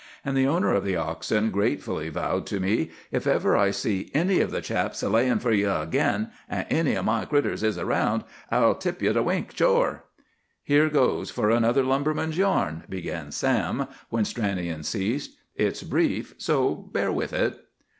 And the owner of the oxen gratefully vowed to me, 'If ever I see any of the chaps a laying for ye agin, an' any of my critters is around, I'll tip ye the wink, shore!'" "Here goes for another lumberman's yarn," began Sam, when Stranion ceased. "It's brief, so bear with it.